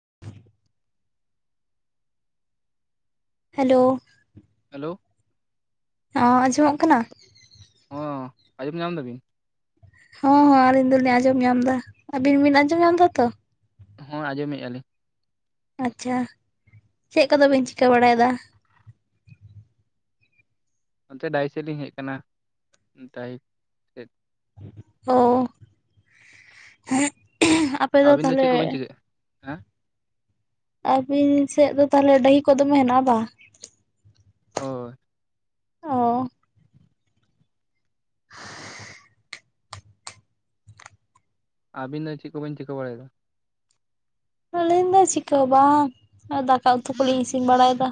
[inaudible] Hello hello ᱦᱚᱸ ᱟᱸᱡᱚᱢᱚᱜ ᱠᱟᱱᱟ ᱦᱚᱻ ᱟᱸᱡᱚᱢ ᱧᱟᱢ ᱫᱟ ᱵᱤᱱ ᱦᱚᱸ ᱦᱚᱸ ᱟᱹᱞᱤᱧ ᱫᱚᱞᱤᱧ ᱟᱸᱡᱚᱢ ᱧᱟᱢ ᱮᱫᱟ᱾ ᱟᱹᱵᱤᱱ ᱵᱤᱱ ᱟᱸᱡᱚᱢ ᱧᱟᱢ ᱫᱟ ᱛᱚ ᱦᱚᱸ ᱟᱸᱡᱚᱢᱮᱜ-ᱟ ᱞᱤᱧ ᱟᱪᱷᱟ, ᱪᱮᱫ ᱠᱚᱫᱚ ᱵᱤᱱ ᱪᱤᱠᱟᱹ ᱵᱟᱲᱟᱭᱮᱫᱟ? ᱚᱱᱛᱮ ᱰᱟᱦᱤ ᱥᱮᱫ ᱞᱤᱧ ᱦᱮᱡ ᱟᱠᱟᱱᱟ ᱰᱟᱭᱤ [unintelligible] ᱟᱹᱵᱤᱱ ᱫᱚ ᱪᱮᱫ ᱠᱚᱵᱤᱱ ᱪᱤᱠᱟᱹᱭᱮ ᱟ ᱟᱵᱤᱱ ᱥᱮᱫ ᱫᱚ ᱛᱟᱦᱚᱞᱮ ᱰᱟᱹᱦᱤ ᱠᱚ ᱫᱚᱢᱮ ᱦᱮᱱᱟᱜᱼᱟ ᱵᱟ ᱦᱳᱭ ᱚ ᱟᱵᱤᱱ ᱫᱚ ᱪᱮᱫ ᱠᱚᱵᱤᱱ ᱪᱤᱠᱟᱹ ᱵᱟᱲᱟᱭᱮᱫᱟ? ᱟᱹᱞᱤᱧ ᱫᱚ ᱪᱤᱠᱟᱹ ᱵᱟᱝ ᱫᱟᱠᱟ ᱩᱛᱩ ᱠᱚᱞᱤᱧ ᱤᱥᱤᱱ ᱵᱟᱲᱟᱭᱮᱫᱟ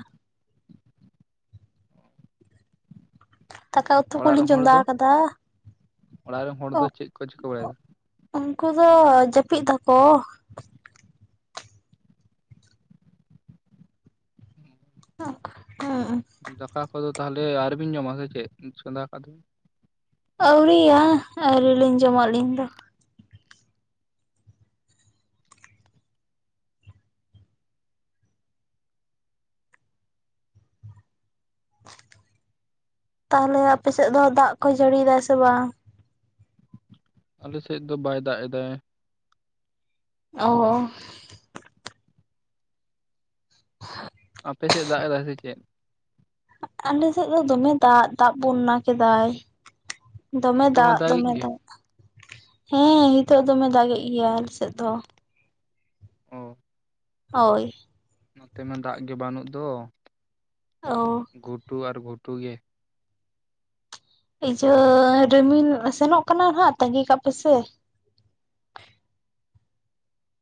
ᱫᱟᱠᱟ ᱩᱛᱩ ᱚᱲᱟᱜ ᱨᱮᱱ ᱠᱚᱞᱤᱧ ᱦᱚᱲ ᱪᱚᱸᱫᱟ ᱫᱚ ᱟᱠᱟᱫᱟ ᱚᱲᱟᱜ ᱨᱮᱱ ᱦᱚᱲ ᱫᱚ ᱪᱮᱫ ᱠᱚ ᱪᱤᱠᱟᱹ ᱵᱟᱲᱟᱭᱮᱫᱟ [unintelligible] ᱩᱱᱠᱩ ᱫᱚ ᱡᱟᱹᱯᱤᱫ ᱫᱟᱠᱚ᱾ ᱫᱟᱠᱟ ᱠᱚᱫᱚ ᱛᱟᱦᱚᱞᱮ ᱮ ᱟᱨᱵᱤᱱ ᱡᱚᱢᱟ ᱥᱮ ᱪᱮᱫ, ᱪᱚᱸᱫᱟ ᱟᱠᱟᱫ ᱫᱚᱵᱤᱱ? ᱟᱹᱣᱨᱤᱭᱟ ᱟᱹᱣᱨᱤᱞᱤᱧ ᱡᱚᱢᱟ ᱟᱹᱞᱤᱧ ᱫᱚ᱾ ᱛᱟᱦᱚᱞᱮ ᱟᱯᱮᱥᱮᱫ ᱫᱚ ᱫᱟᱜ ᱠᱚ ᱡᱟᱹᱲᱤᱭᱟᱭ ᱥᱮ ᱵᱟᱝ? ᱟᱞᱮ ᱥᱮᱡ ᱫᱚ ᱵᱟᱭ ᱫᱟᱜ ᱮᱫᱟᱭ᱾ ᱚᱻᱚᱻ [inaudible] ᱟᱯᱮ ᱥᱮᱡ ᱫᱟᱜ ᱮᱫᱟᱭ ᱥᱮ ᱪᱮᱫ ᱟᱞᱮ ᱥᱮᱡ ᱫᱚ ᱫᱚᱢᱮ ᱫᱟᱜ, ᱫᱟᱜ ᱵᱚᱱᱱᱟ ᱠᱮᱫᱟᱭ ᱫᱚᱢᱮ ᱱᱤᱛᱚᱜ ᱦᱚᱸ ᱫᱟᱜ ᱫᱟᱜᱮᱫ ᱫᱚᱢᱮ ᱜᱮ ᱫᱟᱜ ᱦᱮᱸ ᱦᱤᱛᱚᱜ ᱫᱚᱢᱮ ᱫᱟᱜᱮᱭᱟᱭ ᱟᱞᱮ ᱥᱮᱡ ᱫᱚ ᱚᱻ ᱦᱳᱭ ᱱᱚᱛᱮ ᱢᱟ ᱫᱟᱜ ᱜᱮ ᱵᱟᱹᱱᱩᱜ ᱫᱚ᱾ ᱚᱻ ᱜᱷᱩᱴᱩ ᱟᱨ ᱜᱷᱩᱴᱩ ᱜᱮ᱾ ᱤᱭᱟᱟᱹ ᱨᱤᱢᱤᱞ ᱥᱮᱱᱚᱜ ᱠᱟᱱᱟ ᱱᱟᱦᱟᱜ ᱛᱟᱺᱜᱤ ᱠᱟᱜ ᱯᱮᱥᱮ᱾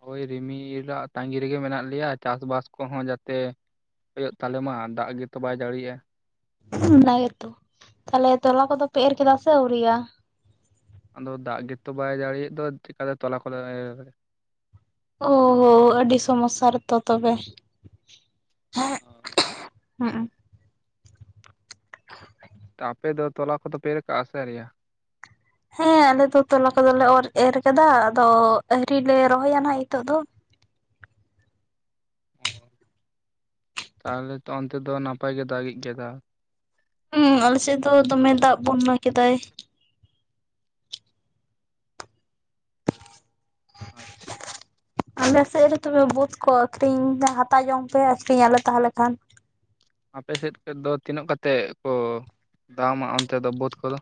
ᱦᱳᱭ ᱨᱤᱢᱤᱞᱟᱜ ᱛᱟᱺᱜᱤ ᱨᱮᱜᱮ ᱢᱮᱱᱟᱜ ᱞᱮᱭᱟ ᱪᱟᱥᱵᱟᱥ ᱠᱚᱦᱚᱸ ᱡᱟᱛᱮ ᱦᱳᱭᱳᱜ ᱛᱟᱞᱮ ᱢᱟ, ᱫᱟᱜ ᱜᱮᱛᱚ ᱵᱟᱭ ᱡᱟᱲᱤᱭᱮᱜᱼᱟ᱾ ᱚᱱᱟ ᱜᱮᱛᱚ ᱛᱟᱦᱞᱮ ᱛᱚᱞᱟ ᱠᱚᱫᱚ ᱯᱮ ᱮᱨ ᱠᱮᱫᱟ ᱥᱮ ᱟᱹᱣᱨᱤᱭᱟ᱾ ᱟᱫᱚ ᱫᱟᱜ ᱜᱮᱛᱚ ᱵᱟᱭ ᱡᱟᱲᱤᱭᱮᱜ ᱫᱚ ᱪᱮᱠᱟᱛᱮ ᱛᱚᱞᱟ ᱠᱚ ᱫᱚ ᱮᱨ? ᱳ ᱦᱳ ᱟᱹᱰᱤ ᱥᱚᱢᱚᱥᱥᱟ ᱨᱮᱛᱚ ᱛᱚᱵᱮ᱾ ᱦᱩᱸᱜ [inaudible] ᱛᱟ ᱟᱯᱮ ᱫᱚ ᱛᱚᱞᱟ ᱠᱚᱫᱚ ᱯᱮ ᱮᱨ ᱠᱟᱜᱼᱟ ᱥᱮ ᱟᱣᱨᱤᱭᱟ? ᱦᱮᱸ ᱟᱞᱮ ᱫᱚ ᱛᱚᱞᱟ ᱠᱚᱫᱚᱞᱮ ᱚᱨ ᱮᱨ ᱠᱟᱫᱟ ᱟᱫᱚ ᱟᱣᱨᱤ ᱞᱮ ᱨᱚᱦᱚᱭᱟ ᱱᱟᱦᱟᱜ ᱦᱤᱛᱚᱜ ᱫᱚ᱾ ᱚ ᱛᱟᱦᱚᱞᱮ ᱛᱚ ᱚᱱᱛᱮ ᱫᱚ ᱱᱟᱯᱟᱭ ᱜᱮ ᱫᱟᱜᱤᱡ ᱜᱮᱭᱟᱭ ᱫᱟ᱾ ᱦᱩᱸᱻ ᱟᱞᱮᱥᱮᱫ ᱫᱚ ᱫᱚᱢᱮ ᱫᱟᱜ ᱵᱚᱱᱱᱟ ᱠᱮᱫᱟᱭ᱾ ᱟᱪᱪᱷᱟ ᱟᱞᱮ ᱥᱮᱡ ᱨᱮ ᱛᱚᱵᱮ ᱵᱩᱫᱽ ᱠᱚ ᱟᱹᱠᱷᱨᱤᱧ ᱦᱟᱛᱟᱣ ᱡᱚᱝ ᱯᱮ ᱟᱨ ᱯᱮ ᱧᱮᱞᱟ ᱛᱟᱦᱚᱞᱮ ᱠᱷᱟᱱ᱾ ᱟᱯᱮ ᱥᱮᱫ ᱠᱚ ᱫᱚ ᱛᱤᱱᱟᱹᱜ ᱠᱟᱛᱮ ᱠᱚ ᱫᱟᱢᱟ ᱚᱱᱛᱮ ᱫᱚ ᱵᱟᱹᱫᱽ ᱠᱚᱫᱚ?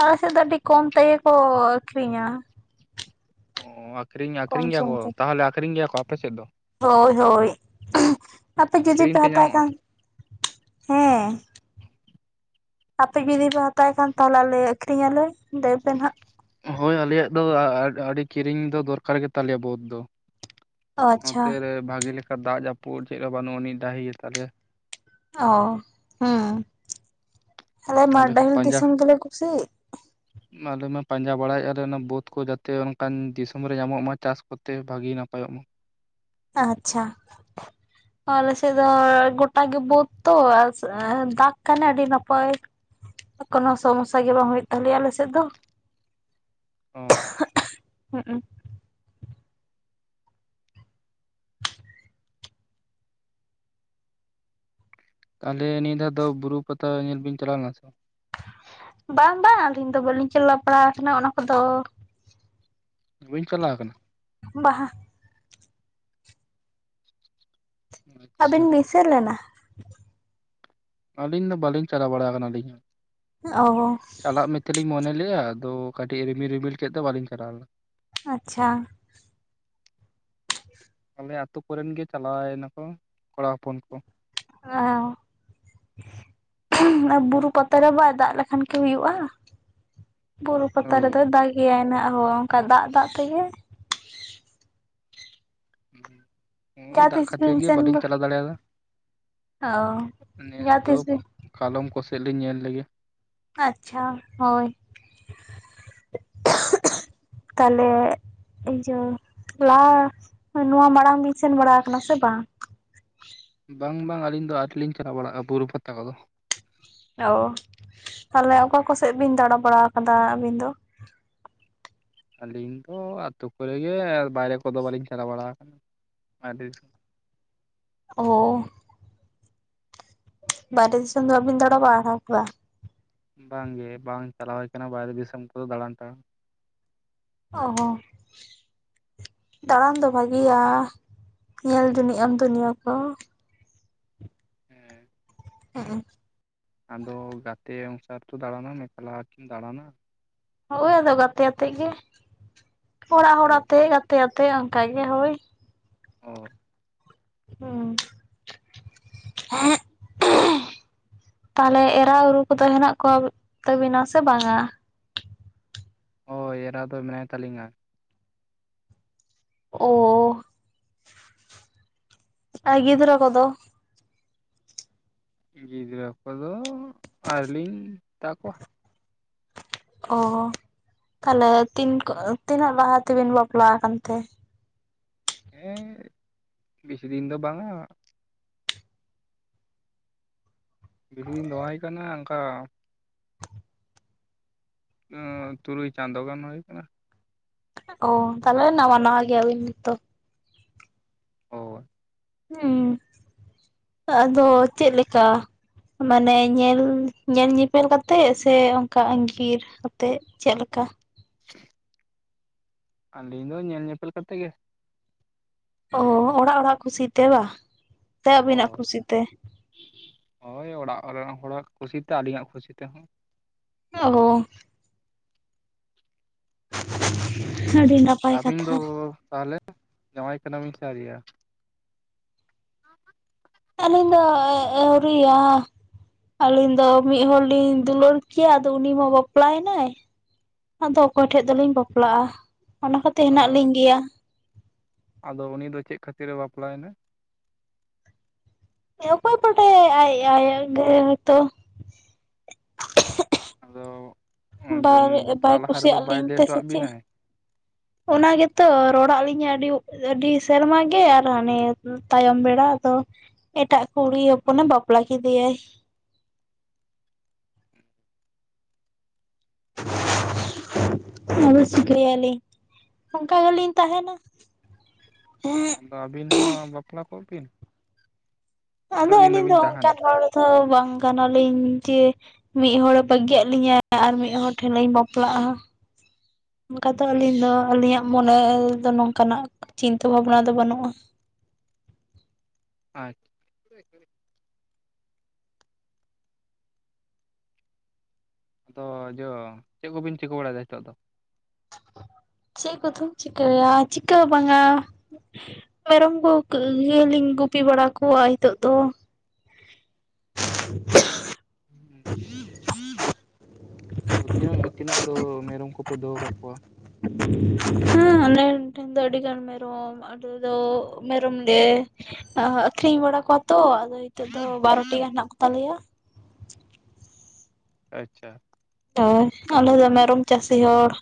ᱟᱞᱮ ᱥᱮᱫ ᱫᱚ ᱟᱹᱰᱤ ᱠᱚᱢ ᱛᱮᱜᱮ ᱠᱚ ᱟᱠᱷᱨᱤᱧᱟ ᱾ ᱚ, ᱟᱹᱠᱷᱨᱤᱧ ᱟᱹᱠᱷᱨᱤᱧ ᱠᱚᱢ ᱜᱮᱭᱟ ᱠᱚ ᱥᱚᱢ ᱛᱮ ᱛᱟᱦᱚᱞᱮ ᱟᱠᱷᱨᱤᱧ ᱜᱮᱭᱟ ᱠᱚ ᱟᱯᱮ ᱥᱮᱫ ᱫᱚ? ᱦᱳᱭ, ᱦᱳᱭ᱾ ᱟᱯᱮ ᱡᱩᱫᱤ ᱠᱤᱨᱤᱧ ᱯᱮ ᱛᱮ ᱦᱟᱛᱟᱣ ᱧᱟᱢᱚᱜᱼᱟ? ᱠᱷᱟᱱ ᱾ ᱦᱮᱸ᱾ [inaudible] ᱟᱯᱮ ᱡᱩᱫᱤ ᱯᱮ ᱦᱟᱛᱟᱣ ᱠᱷᱟᱱ ᱛᱟᱦᱚᱞᱮ ᱟᱞᱮ ᱟᱠᱷᱨᱤᱧ ᱟᱞᱮ ᱞᱟᱹᱭ ᱯᱮ ᱱᱟᱦᱟᱜ ᱾ ᱦᱳᱭ ᱟᱞᱮᱭᱟᱜ ᱫᱚ ᱟᱹᱰᱤ ᱠᱤᱨᱤᱧ ᱫᱚ ᱫᱚᱨᱠᱟᱨ ᱜᱮᱛᱟᱞᱮᱭᱟ ᱵᱟᱹᱫ ᱫᱚ ᱾ ᱚ ᱟᱪᱪᱷᱟ ᱱᱚᱛᱮ ᱨᱮ ᱵᱷᱟᱜᱤ ᱞᱮᱠᱟ ᱫᱟᱜ ᱡᱟᱹᱯᱩᱫ ᱪᱮᱫᱞᱮᱠᱟ ᱵᱟᱹᱱᱩᱜ ᱟᱹᱱᱤᱡ ᱰᱟᱹᱦᱤ ᱜᱮᱛᱟᱞᱮᱭᱟ ᱾ ᱚ, ᱦᱮᱸ ᱾ ᱟᱞᱮ ᱢᱟ ᱦᱚᱸ ᱰᱟᱦᱤ ᱯᱟᱸᱡᱟ ᱫᱤᱥᱚᱢ ᱜᱮᱞᱮ ᱠᱩᱥᱤᱜ ᱾ ᱟᱞᱮ ᱢᱟ ᱯᱟᱸᱡᱟ ᱵᱟᱲᱟᱭᱮᱫᱼᱟᱞᱮ ᱚᱱᱟ ᱵᱟᱹᱫᱽ ᱠᱚ ᱡᱟᱛᱮ ᱚᱱᱠᱟᱱ ᱫᱤᱥᱚᱢ ᱨᱮ ᱧᱟᱢᱚᱜ ᱢᱟ, ᱪᱟᱥ ᱠᱚᱛᱮ ᱵᱷᱟᱜᱤ ᱱᱟᱯᱟᱭᱚᱜ ᱢᱟ ᱾ ᱟᱪᱪᱷᱟ ᱾ [inaudible] ᱟᱞᱮ ᱥᱮ ᱫᱚ ᱜᱚᱴᱟ ᱜᱮ ᱵᱟᱹᱫᱽ ᱛᱚ ᱫᱟᱜ ᱠᱷᱟᱱ ᱟᱹᱰᱤ ᱱᱟᱯᱟᱭ ᱾ ᱠᱳᱱᱚ ᱥᱚᱢᱚᱥᱥᱟ ᱜᱮ ᱵᱟᱝ ᱦᱩᱭᱩᱜ ᱛᱟᱞᱮᱭᱟ ᱟᱞᱮ ᱥᱮᱫ ᱫᱚ᱾ ᱚᱻ [unintelligible] ᱦᱩᱸ ᱩᱸ ᱛᱟᱦᱚᱞᱮ ᱱᱤᱭᱟᱹ ᱫᱷᱟᱣ ᱫᱚ ᱵᱩᱨᱩ ᱯᱟᱛᱟ ᱧᱮᱞ ᱵᱤᱱ ᱪᱟᱞᱟᱣ ᱞᱮᱱᱟ ᱥᱮ ᱵᱟ? ᱵᱟᱝ ᱵᱟᱝ ᱟᱹᱞᱤᱧ ᱫᱚ ᱵᱟᱹᱞᱤᱧ ᱪᱟᱞᱟᱣ ᱵᱟᱲᱟᱣ ᱠᱟᱱᱟ ᱚᱱᱟ ᱠᱚᱫᱚ᱾ ᱵᱟᱹᱵᱤᱱ ᱪᱟᱞᱟᱣ ᱟᱠᱟᱱᱟ? ᱵᱟ ᱟᱪᱪᱷᱟ ᱟᱹᱵᱤᱱ ᱵᱤᱱ ᱥᱮᱱ ᱞᱮᱱᱟ? ᱟᱹᱞᱤᱧ ᱫᱚ ᱵᱟᱹᱞᱤᱧ ᱪᱟᱞᱟᱣ ᱵᱟᱲᱟ ᱠᱟᱱᱟ ᱟᱞᱤᱧ ᱦᱚᱸ ᱚ ᱪᱟᱞᱟᱜ ᱢᱮ ᱛᱮᱞᱤᱧ ᱢᱚᱱᱮ ᱞᱮᱜᱼᱟ ᱟᱫᱚ ᱠᱟᱹᱴᱤᱡ ᱨᱤᱢᱤᱞ ᱨᱤᱢᱤᱞ ᱠᱮᱫ ᱫᱚ ᱵᱟᱹᱞᱤᱧ ᱪᱟᱞᱟᱣ ᱞᱮᱱᱟ ᱾ ᱟᱪᱪᱷᱟ ᱾ ᱟᱞᱮ ᱟᱛᱩ ᱠᱚᱨᱮᱱ ᱜᱮ ᱪᱟᱞᱟᱣᱱᱟᱠᱚ ᱠᱚᱲᱟ ᱦᱚᱯᱚᱱ ᱠᱚ ᱾ ᱚ ᱾ [unintelligible] ᱵᱩᱨᱩ ᱯᱟᱛᱟ ᱨᱮ ᱵᱟᱭ ᱫᱟᱜ ᱞᱮᱠᱷᱟᱱ ᱠᱤ ᱦᱩᱭᱩᱜᱼᱟ᱾ ᱵᱩᱨᱩ ᱯᱟᱛᱟ ᱦᱳᱭ ᱨᱮᱫᱚᱭ ᱫᱟᱜ ᱜᱮᱭᱟᱭ ᱱᱟᱜ ᱦᱚᱸ ᱚᱱᱠᱟ ᱫᱟᱜ ᱫᱟᱜ ᱛᱮᱜᱮ, ᱦᱮᱸ ᱾ ᱦᱩᱸ, ᱡᱟᱦᱟᱸ ᱫᱟᱜ ᱛᱤᱥ ᱠᱷᱟᱹᱛᱤᱨ ᱵᱤᱱ ᱜᱮ ᱥᱮᱱ ᱵᱟᱹᱞᱤᱧ ᱚ ᱪᱟᱞᱟᱣ ᱫᱟᱲᱮᱭᱟᱫᱟ ᱱᱮᱥ ᱡᱟᱦᱟᱸ ᱫᱚ ᱛᱤᱥ ᱵᱤᱱ ᱾ ᱠᱟᱞᱚᱢ ᱠᱚ ᱥᱮᱫ ᱞᱮᱧ ᱧᱮᱞ ᱞᱮᱜᱮ ᱾ ᱟᱪᱪᱷᱟ ᱦᱳᱭ ᱾ [inaudible] ᱛᱟᱦᱞᱮ ᱤᱭᱟᱹ ᱞᱟᱦᱟ ᱱᱚᱣᱟ ᱢᱟᱲᱟᱝ ᱵᱤᱱ ᱥᱮᱱ ᱵᱟᱲᱟ ᱟᱠᱟᱱᱟ ᱥᱮ ᱵᱟᱝ? ᱵᱟᱝ ᱵᱟᱝ ᱟᱹᱞᱤᱧ ᱫᱚ ᱟᱹᱣᱨᱤ ᱞᱤᱧ ᱪᱟᱞᱟᱣ ᱵᱟᱲᱟᱜᱼᱟ ᱵᱩᱨᱩ ᱯᱟᱛᱟ ᱠᱚᱫᱚ ᱾ ᱚ ᱾ ᱛᱟᱦᱚᱞᱮ ᱚᱠᱟ ᱠᱚᱥᱮᱫ ᱵᱤᱱ ᱫᱟᱬᱟ ᱵᱟᱲᱟ ᱟᱠᱟᱫᱟ ᱟᱹᱵᱤᱱ ᱫᱚ? ᱟᱹᱞᱤᱧ ᱫᱚ ᱟᱹᱛᱩᱳ ᱠᱚᱨᱮ ᱜᱮ ᱵᱟᱭᱨᱮ ᱠᱚᱫᱚ ᱵᱟᱹᱞᱤᱧ ᱪᱟᱞᱟᱣ ᱵᱟᱲᱟ ᱟᱠᱟᱱᱟ ᱾ ᱟᱹᱰᱤ ᱫᱤᱥᱚᱢ ᱚ ᱾ ᱵᱟᱦᱨᱮ ᱫᱤᱥᱚᱢ ᱫᱚ ᱵᱟᱵᱤᱱ ᱫᱟᱬᱟ ᱵᱟᱲᱟ ᱟᱠᱟᱫᱟ ᱯᱟᱨᱟ? ᱵᱟᱝ ᱜᱮ, ᱵᱟᱝ ᱪᱟᱞᱟᱣ ᱠᱟᱱᱟ ᱵᱟᱦᱨᱮ ᱫᱤᱥᱚᱢ ᱠᱚᱫᱚ ᱫᱟᱲᱟᱴᱟᱬᱟᱱ ᱾ ᱚ ᱦᱚᱸ ᱾ ᱫᱟᱬᱟᱱ ᱫᱚ ᱵᱷᱟᱜᱤᱭᱟ, ᱧᱮᱞ ᱡᱚᱱᱤᱡ ᱟᱢ ᱫᱩᱱᱤᱭᱟᱹ ᱠᱚ ᱾ ᱦᱮᱸ ᱾ ᱦᱮᱸ ᱮ ᱾ ᱟᱢ ᱫᱚ ᱜᱟᱛᱮ ᱚᱱᱩᱥᱟᱨ ᱛᱚ ᱫᱟᱬᱟᱱᱟᱢ ᱮᱠᱞᱟ ᱠᱤᱢ ᱫᱟᱬᱟᱱᱟ ᱾ ᱦᱳᱭ, ᱟᱫᱚ ᱜᱟᱛᱮ ᱟᱛᱮ ᱜᱮ ᱚᱲᱟᱜ ᱦᱚᱲ ᱦᱳᱭ ᱟᱛᱮ ᱜᱟᱛᱮ ᱟᱛᱮ ᱚᱱᱠᱟ ᱜᱮ, ᱦᱳᱭ ᱾ ᱚ ᱾ ᱦᱩᱸ ᱦᱮᱸ ᱦᱮᱸᱨᱻ ᱛᱟᱦᱚᱞᱮ ᱮᱨᱟ ᱩᱨᱩ ᱠᱚᱫᱚ ᱦᱮᱱᱟᱜ ᱠᱚᱣᱟ ᱛᱟᱵᱤᱱᱟ ᱥᱮ ᱵᱟᱝᱟ? ᱦᱳᱭ, ᱮᱨᱟ ᱫᱚ ᱢᱮᱱᱟᱭ ᱛᱟᱹᱞᱤᱧᱟ ᱾ ᱚ, ᱟᱨ ᱜᱤᱫᱽᱨᱟᱹ ᱠᱚᱫᱚ? ᱜᱤᱫᱽᱨᱟᱹ ᱠᱚᱫᱚ ᱟᱹᱣᱨᱤ ᱞᱤᱧ ᱦᱟᱛᱟ ᱠᱚᱣᱟ ᱾ ᱚ, ᱛᱟᱦᱚᱞᱮ ᱛᱤᱱ ᱠᱚ ᱛᱤᱱᱟᱹᱜ ᱞᱟᱦᱟ ᱛᱮᱵᱤᱱ ᱵᱟᱯᱞᱟ ᱟᱠᱟᱱ ᱛᱮ? ᱦᱮᱸ, ᱵᱮᱥᱤ ᱫᱤᱱ ᱫᱚ ᱵᱟᱝᱟ ᱾ ᱵᱮᱥᱤ ᱫᱤᱱ ᱫᱚ ᱵᱟᱭ ᱦᱚᱭ ᱠᱟᱱᱟ ᱚᱱᱠᱟ᱾ ᱛᱩᱨᱩᱭ ᱪᱟᱸᱫᱳ ᱜᱟᱱ ᱦᱩᱭ ᱟᱠᱟᱱᱟ᱾ ᱚ ᱛᱟᱦᱚᱞᱮ ᱱᱟᱣᱭᱟ ᱱᱟᱣᱭᱟ ᱜᱮᱭᱟᱵᱤᱱ ᱱᱤᱛᱚᱜ᱾ ᱚᱳ ᱦᱮᱸ ᱟᱫᱚ ᱪᱮᱫ ᱞᱮᱠᱟᱹ᱾ ᱢᱟᱱᱮ ᱧᱮᱞ ᱧᱮᱞ ᱧᱮᱯᱮᱞ ᱠᱟᱛᱮᱜ ᱥᱮ ᱚᱱᱠᱟ ᱟᱜᱤᱨ ᱠᱟᱛᱮᱫ? ᱪᱮᱫ ᱞᱮᱠᱟ [inaudible] ᱟᱹᱞᱤᱧ ᱫᱚ ᱧᱮᱞ ᱧᱮᱯᱮᱞ ᱠᱟᱛᱮ ᱜᱮ᱾ ᱚ ᱚᱲᱟᱜ ᱚᱲᱟᱜ ᱠᱩᱥᱤᱛᱮ ᱵᱟ ᱥᱮ ᱟᱹᱵᱤᱱᱟᱜ ᱦᱳᱭ ᱠᱩᱥᱤᱛᱮ? ᱦᱳᱭ ᱚᱲᱟᱜ ᱨᱮᱱ ᱦᱚᱲᱟᱜ ᱠᱩᱥᱤᱛᱮ ᱟᱹᱞᱤᱧᱟᱜ ᱠᱩᱥᱤ ᱛᱮᱦᱚᱸ᱾ ᱚ ᱦᱳ᱾ ᱟᱹᱰᱤ ᱱᱟᱯᱟᱭ ᱟᱹᱵᱤᱱ ᱠᱟᱛᱷᱟ ᱫᱚ ᱛᱟᱦᱞᱮ ᱡᱟᱶᱭᱟᱭ ᱠᱟᱱᱟᱵᱤᱱ ᱥᱮ ᱟᱣᱨᱤᱭᱟ᱾ ᱟᱹᱞᱤᱧ ᱫᱚ ᱮ ᱟᱣᱨᱤᱭᱟ᱾ ᱟᱞᱤᱧ ᱫᱚ ᱢᱤᱫ ᱦᱚᱲᱞᱤᱧ ᱫᱩᱞᱟᱹᱲ ᱠᱮᱭᱟ ᱟᱫᱚ ᱩᱱᱤ ᱢᱟ ᱵᱟᱯᱞᱟᱭᱱᱟᱭ᱾ ᱟᱫᱚ ᱚᱠᱚᱭ ᱴᱷᱮᱡ ᱫᱚᱞᱤᱧ ᱵᱟᱯᱞᱟᱜ-ᱟ ᱚᱱᱟ ᱠᱷᱟᱹᱛᱮ ᱦᱮᱱᱟᱜ ᱚ ᱞᱤᱧ ᱜᱮᱭᱟ᱾ ᱟᱫᱚ ᱩᱱᱤ ᱫᱚ ᱪᱮᱫ ᱠᱷᱟᱹᱛᱤᱨ ᱮ ᱵᱟᱯᱞᱟᱭᱮᱱᱟ᱾ ᱚᱠᱚᱭ ᱵᱟᱰᱟᱭᱟᱭ ᱟᱡ ᱟᱡ ᱜᱮ ᱦᱚᱭᱛᱚ ᱟᱫᱚ ᱵᱟᱭ ᱵᱟᱭ ᱵᱟᱯᱞᱟᱜ ᱞᱟᱦᱟ ᱨᱮᱫᱚ ᱠᱩᱥᱤᱭᱟᱜ ᱵᱟᱭ ᱞᱤᱧ ᱞᱮᱭ ᱛᱮ ᱥᱮ ᱦᱚᱴᱚᱣᱟᱜ ᱪᱮᱫ ᱵᱤᱱᱟᱭ ᱚᱱᱟ ᱜᱮᱛᱚ ᱨᱚᱲᱟᱜ ᱞᱤᱧᱟᱹ ᱟᱹᱰᱤ ᱟᱹᱰᱤ ᱥᱮᱨᱢᱟ ᱜᱮ ᱟᱨ ᱦᱟᱱᱮ ᱛᱟᱭᱚᱢ ᱵᱮᱲᱟ ᱫᱚ᱾ ᱮᱴᱟᱜ ᱠᱩᱲᱤ ᱦᱚᱯᱚᱱᱮ ᱵᱟᱯᱞᱟ ᱠᱮᱫᱮᱭᱟᱭ᱾ [inaudible] ᱟᱫᱚ ᱪᱤᱠᱳᱭᱟᱞᱤᱧ ᱚᱱᱠᱟ ᱜᱮᱞᱤᱧ ᱛᱟᱦᱮᱱᱟ᱾ ᱦᱮᱸ ᱟᱫᱚ ᱟᱹᱵᱤᱱ ᱦᱚᱸ ᱵᱟᱯᱞᱟ ᱠᱚᱜ ᱵᱤᱱ᱾ ᱟᱫᱚ ᱛᱤᱱᱟᱹᱜ ᱫᱤᱱ ᱟᱹᱞᱤᱧ ᱫᱚ ᱫᱚᱵᱤᱱ ᱛᱟᱦᱮᱱᱟ ᱚᱱᱠᱟᱱ ᱦᱚᱲ ᱫᱚ ᱵᱟᱝ ᱠᱟᱱᱟᱞᱤᱧ ᱡᱮ ᱢᱤᱫ ᱦᱚᱲᱮ ᱵᱟᱹᱜᱤᱭᱟ ᱞᱤᱧᱟᱭ ᱟᱨ ᱢᱤᱫ ᱦᱚᱲ ᱴᱷᱮᱱ ᱞᱤᱧ ᱵᱟᱯᱞᱟᱜ-ᱟ᱾ ᱚᱱᱠᱟ ᱫᱚ ᱟᱹᱞᱤᱧ ᱫᱚ ᱟᱹᱞᱤᱧᱟᱜ ᱢᱚᱱᱮ ᱫᱚ ᱱᱚᱝᱠᱟᱱᱟᱜ ᱪᱤᱱᱛᱟᱹ ᱵᱷᱟᱵᱱᱟ ᱫᱚ ᱵᱟᱹᱱᱩᱜ-ᱟ᱾ ᱟᱪᱪᱷᱟ ᱟᱫᱚ ᱡᱚ ᱪᱮᱫ ᱠᱚᱵᱮᱱ ᱪᱤᱠᱟᱹ ᱵᱟᱲᱟᱭᱮᱫᱟ ᱱᱤᱛᱚᱜ ᱫᱚ ᱪᱮᱫ ᱠᱚᱫᱚᱢ ᱪᱤᱠᱚᱭᱟ ᱪᱤᱠᱟᱹᱦᱚᱸ ᱵᱟᱝᱟ ᱢᱮᱨᱚᱢ ᱠᱚ ᱜᱮᱞᱤᱧ ᱜᱩᱯᱤ ᱵᱟᱲᱟ ᱠᱚᱣᱟ ᱱᱤᱛᱳᱜ ᱫᱚ [inaudible] ᱛᱤᱱᱟᱹᱜ ᱛᱤᱱᱟᱹᱜ ᱫᱚ ᱢᱮᱨᱚᱢ ᱠᱚᱯᱮ ᱫᱚᱦᱚ ᱠᱟᱜ ᱠᱚᱣᱟ ᱦᱮᱸ ᱟᱞᱮ ᱴᱷᱮᱱ ᱫᱚ ᱟᱹᱰᱤ ᱜᱟᱱ ᱢᱮᱨᱚᱢ [inaudible] ᱟᱞᱮ ᱫᱚ ᱢᱮᱨᱚᱢ ᱞᱮ ᱟᱹᱠᱷᱨᱤᱧ ᱵᱟᱲᱟ ᱠᱚᱣᱟ ᱛᱚ ᱟᱫᱚ ᱱᱤᱛᱳ ᱫᱚ ᱵᱟᱨᱚᱴᱤ ᱜᱟᱱ ᱦᱮᱱᱟᱜ ᱠᱚᱛᱟᱞᱮᱭᱟ ᱟᱪᱪᱷᱟ ᱦᱳᱭ ᱟᱞᱮ ᱫᱚ ᱢᱮᱨᱚᱢ ᱪᱟᱹᱥᱤ ᱦᱚᱲ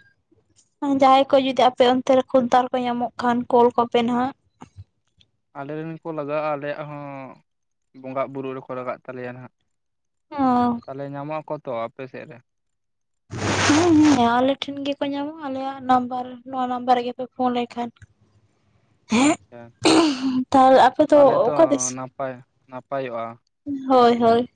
ᱡᱟᱦᱟᱸᱭ ᱠᱚ ᱡᱩᱫᱤ ᱟᱯᱮ ᱚᱱᱛᱮ ᱨᱮ ᱠᱷᱩᱱᱛᱟᱞ ᱠᱚ ᱧᱟᱢᱚᱜ ᱠᱷᱟᱱ ᱠᱳᱞ ᱠᱚᱯᱮ ᱦᱟᱜ᱾ ᱟᱞᱮᱨᱮᱱ ᱠᱚ ᱞᱟᱜᱟᱜ-ᱟ ᱟᱞᱮᱭᱟᱜ ᱦᱚᱸ ᱵᱚᱸᱜᱟ ᱵᱩᱨᱩᱜ ᱨᱮᱠᱚ ᱞᱟᱜᱟᱜ ᱛᱟᱞᱮᱭᱟ ᱱᱟᱦᱟᱜ ᱦᱮᱸ ᱛᱟᱦᱞᱮ ᱧᱟᱢᱚᱜ ᱟᱠᱚ ᱛᱚ ᱟᱯᱮ ᱥᱮᱫ ᱨᱮ ᱦᱩᱸ ᱦᱩᱸᱸ ᱟᱞᱮ ᱴᱷᱮᱱ ᱜᱮᱠᱚ [inaudible] ᱧᱟᱢᱚᱜ-ᱟ ᱟᱞᱮᱭᱟᱜ ᱱᱟᱢᱵᱟᱨ ᱱᱚᱣᱟ ᱱᱟᱢᱵᱟᱨ ᱨᱮᱜᱯᱮ ᱯᱷᱳᱱ ᱞᱮᱠᱷᱟᱱ ᱦᱮᱸ ᱟᱪᱪᱷᱟ ᱛᱟᱦᱚᱞᱮ ᱟᱯᱮ ᱫᱚ ᱛᱟᱦᱞᱮ ᱛᱚ ᱚᱠᱟ ᱫᱤᱥ ᱦᱳᱭ ᱱᱟᱯᱟᱭᱚᱜ-ᱟ ᱦᱳᱭ ᱦᱳᱭ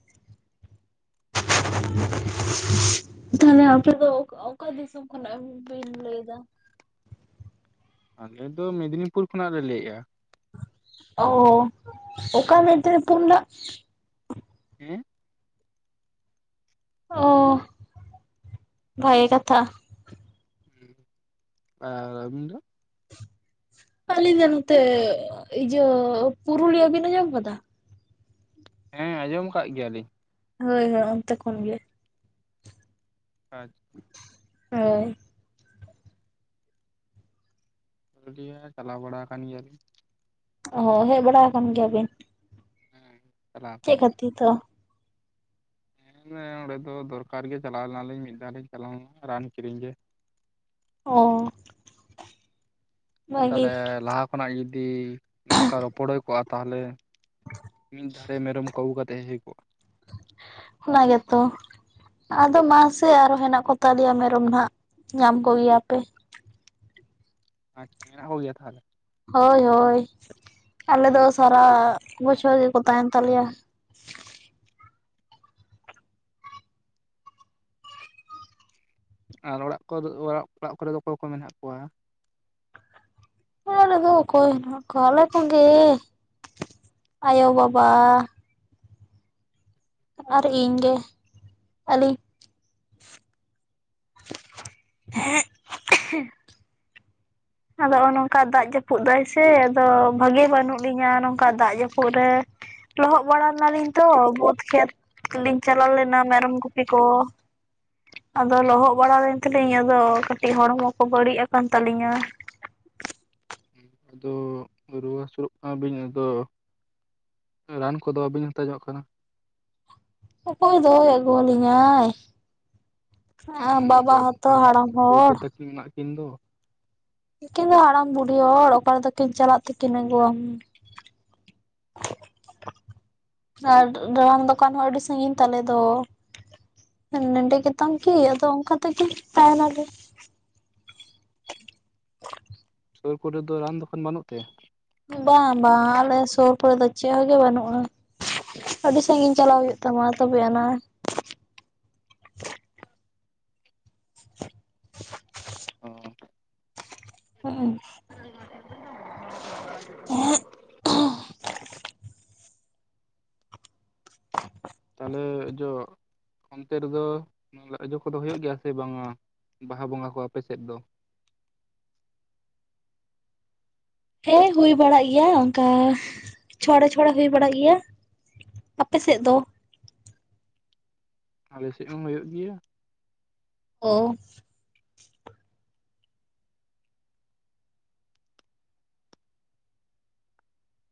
ᱛᱟᱦᱚᱞᱮ ᱟᱯᱮ ᱫᱚ ᱚᱠᱟ ᱫᱤᱥᱚᱢ ᱠᱷᱚᱱᱟᱜ ᱵᱤᱱ ᱞᱟᱹᱭᱮᱫᱟ ᱟᱞᱮ ᱫᱚ ᱢᱮᱫᱽᱱᱤᱯᱩᱨ ᱠᱷᱚᱱᱟᱜ ᱞᱮ ᱞᱟᱹᱭᱮᱫ-ᱟ ᱚ ᱚᱠᱟ ᱢᱮᱫᱱᱤᱯᱩᱨ ᱱᱟᱜ ᱦᱮᱸ [unintelligible] ᱚᱻᱚ ᱵᱷᱟᱹᱜᱮ ᱠᱟᱛᱷᱟ ᱟᱨ ᱟᱹᱵᱤᱱ ᱫᱚ ᱟᱞᱤᱧ ᱫᱚ ᱱᱚᱛᱮ ᱤᱡᱟᱹ ᱯᱩᱨᱩᱞᱤᱭᱟᱹ ᱵᱤᱱ ᱟᱸᱡᱚᱢᱟ ᱠᱟᱫᱟ ᱦᱮᱸ ᱟᱸᱡᱚᱢ ᱟᱠᱟᱫ ᱜᱮᱭᱟ ᱞᱤᱧ ᱦᱳᱭ ᱦᱳᱭ ᱚᱱᱛᱮ ᱠᱷᱚᱱ ᱜᱮ ᱟᱪᱪᱷᱟ ᱦᱳᱭ ᱯᱩᱨᱩᱞᱤᱭᱟ ᱪᱟᱞᱟᱣ ᱵᱟᱲᱟ ᱟᱠᱟᱱ ᱜᱮᱭᱟᱞᱤᱧ ᱚ ᱦᱮᱡ ᱵᱟᱲᱟ ᱟᱠᱟᱱ ᱜᱮᱭᱟ ᱵᱤᱱ ᱦᱩᱸ ᱪᱟᱞᱟ [unintelligible] ᱫᱚ [unintelligible] ᱚᱸᱰᱮ ᱫᱚ ᱫᱚᱨᱠᱟᱨ ᱜᱮ ᱪᱟᱞᱟᱣ ᱞᱮᱱᱟᱞᱤᱧ ᱢᱤᱫ ᱫᱷᱟᱣ ᱞᱤᱧ ᱪᱟᱞᱟᱣ ᱞᱮᱱᱟ ᱨᱟᱱ ᱠᱤᱨᱤᱧ ᱜᱮ᱾ ᱚᱻᱚ [unintelligible] ᱛᱟᱦᱚᱞᱮ ᱞᱟᱦᱟ ᱠᱷᱚᱱᱟᱜ ᱡᱩᱫᱤ ᱱᱚᱝᱠᱟ ᱨᱚᱯᱚᱲ ᱦᱩᱭ ᱠᱚᱜᱼᱟ᱾ ᱛᱟᱦᱚᱞᱮ ᱢᱤᱧ ᱫᱷᱟᱨᱮ ᱢᱮᱨᱚᱢ ᱠᱚ ᱟᱹᱜᱩ ᱠᱟᱛᱮ ᱦᱮᱡ ᱠᱚᱜᱼᱟ ᱚᱱᱟ ᱜᱮ ᱛᱚ ᱟᱫᱚ ᱢᱟᱥᱮ ᱟᱨᱚ ᱦᱮᱱᱟᱜ ᱠᱚ ᱛᱟᱞᱮᱭᱟ ᱢᱮᱨᱚᱢ ᱱᱷᱟᱜ ᱧᱟᱢ ᱠᱚᱜᱮᱭᱟ ᱯᱮ᱾ [unintelligible] ᱦᱳᱭ ᱦᱳᱭ ᱟᱞᱮ ᱫᱚ ᱥᱟᱨᱟ ᱵᱚᱪᱷᱚᱨ ᱜᱮᱠᱚ ᱛᱟᱦᱮᱸᱱ ᱛᱟᱞᱮᱭᱟ ᱟᱨ ᱚᱲᱟᱜ ᱫᱚ ᱚᱲᱟᱜ ᱚᱲᱟᱜ ᱠᱚᱨᱮ ᱫᱚ ᱚᱠᱚᱭ ᱠᱚ ᱢᱮᱱᱟᱜ ᱠᱚᱣᱟ ᱚᱲᱟᱜ ᱨᱮᱫᱚ ᱚᱠᱚᱭ ᱦᱮᱱᱟᱜ ᱠᱚᱣᱟ ᱟᱞᱮ ᱠᱚᱜᱮ ᱟᱭᱳ ᱵᱟᱵᱟ᱾ ᱟᱨ ᱤᱧ ᱜᱮ ᱟᱹᱞᱤ ᱦᱮᱸ [unintelligible] ᱟᱫᱚᱜ ᱱᱚᱜᱼᱚᱭ ᱱᱚᱝᱠᱟ ᱫᱟᱜ ᱡᱟᱹᱯᱩᱫ ᱫᱟᱭ ᱥᱮ ᱟᱫᱚ ᱵᱷᱟᱜᱤ ᱵᱟᱹᱱᱩᱜ ᱞᱤᱧᱟ ᱱᱚᱝᱠᱟ ᱫᱟᱜ ᱡᱟᱹᱯᱩᱫ ᱨᱮ ᱞᱚᱦᱚᱫ ᱵᱟᱲᱟ ᱞᱮᱱᱟᱞᱤᱧ ᱛᱚ ᱵᱟᱹᱫᱽ ᱠᱷᱮᱛ ᱞᱤᱧ ᱪᱟᱞᱟᱣ ᱞᱮᱱᱟ ᱢᱮᱨᱚᱢ ᱜᱩᱯᱤ ᱠᱚ ᱟᱫᱚ ᱞᱚᱦᱚᱫ ᱵᱟᱲᱟ ᱞᱮᱱ ᱛᱮᱞᱤᱧ ᱟᱫᱚ ᱠᱟᱹᱴᱤᱜ ᱦᱚᱲᱢᱚ ᱠᱚ ᱵᱟᱹᱲᱤᱜ ᱟᱠᱟᱱ ᱛᱟᱹᱞᱤᱧᱟ᱾ ᱟᱫᱚ ᱨᱩᱣᱟᱹ ᱦᱟᱹᱥᱩᱜ ᱠᱟᱱᱟ ᱵᱤᱱ ᱟᱫᱚ ᱨᱟᱱ ᱠᱚᱫᱚ ᱵᱟᱵᱤᱱ ᱦᱟᱛᱟᱣ ᱧᱚᱜ ᱠᱟᱱᱟ ᱚᱠᱚᱭ ᱫᱚᱭ ᱟᱹᱜᱩᱣᱟᱞᱤᱧᱟᱭ ᱟ ᱵᱟᱵᱟ ᱦᱚᱸᱛᱚ ᱦᱟᱲᱟᱢ ᱦᱚᱲ [unintelligible] ᱢᱮᱱᱟᱜ ᱠᱤᱱ ᱫᱚ ᱩᱠᱤᱱ ᱫᱚ ᱦᱟᱲᱟᱢ ᱵᱩᱰᱷᱤ ᱦᱚᱲ ᱚᱠᱟ ᱨᱮᱫᱚ ᱠᱤᱱ ᱪᱟᱞᱟᱜ ᱛᱮᱠᱤᱱ ᱟᱹᱜᱩᱣᱟᱢ [inaudible] ᱟᱨ ᱨᱟᱱ ᱫᱚᱠᱟᱱ ᱦᱚᱸ ᱟᱹᱰᱤ ᱥᱟᱺᱜᱤᱧ ᱛᱟᱞᱮ ᱫᱚ ᱱᱮᱸᱰᱮ ᱜᱮᱛᱟᱢ ᱠᱤ ᱟᱫᱚ ᱚᱱᱠᱟ ᱛᱮᱜᱮ ᱛᱟᱦᱮ ᱱᱟᱞᱮ ᱥᱩᱨ ᱠᱚᱨᱮ ᱫᱚ ᱨᱟᱱ ᱫᱚᱠᱟᱱ ᱵᱟᱹᱱᱩᱜ ᱛᱮ ᱵᱟᱝ ᱵᱟᱝ ᱟᱞᱮ ᱥᱩᱨ ᱠᱚᱨᱮ ᱫᱚ ᱪᱮᱜ ᱦᱚᱸ ᱜᱮ ᱵᱟᱹᱱᱩᱜᱼᱟ᱾ ᱟᱹᱰᱤ ᱥᱟᱺᱜᱤᱧ ᱪᱟᱞᱟᱣ ᱦᱩᱭᱩᱜ ᱛᱟᱢᱟ ᱛᱚᱵᱮ ᱮᱱᱟᱝ ᱚ [unintelligible] ᱦᱩᱸ ᱩᱸ [unintelligible] ᱛᱟᱦᱚᱞᱮ ᱡᱚ ᱚᱱᱛᱮ ᱨᱮᱫᱚ ᱚᱡᱚ ᱠᱚᱫᱚ ᱦᱩᱭᱩᱜ ᱜᱮᱭᱟ ᱥᱮ ᱵᱟᱝᱼᱟ᱾ ᱵᱟᱦᱟ ᱵᱚᱸᱜᱟ ᱠᱚ ᱟᱯᱮᱥᱮᱫ ᱫᱚ ᱦᱮᱸ ᱦᱩᱭ ᱵᱟᱲᱟᱜ ᱜᱮᱭᱟ, ᱚᱱᱠᱟ ᱪᱷᱚᱲᱮ ᱪᱷᱚᱲᱮ ᱦᱩᱭ ᱵᱟᱲᱟᱜ ᱜᱮᱭᱟ᱾ ᱟᱯᱮ ᱥᱮᱫ ᱫᱚ? ᱟᱞᱮ ᱥᱮᱫ ᱦᱚᱸ ᱦᱩᱭᱩᱜ ᱜᱮᱭᱟ᱾ [unintelligible]